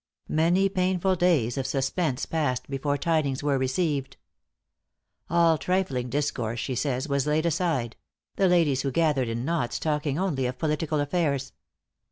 Many painful days of suspense passed before tidings were received. All trifling discourse, she says, was laid aside the ladies who gathered in knots talking only of political affairs.